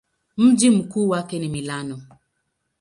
Mji mkuu wake ni Milano.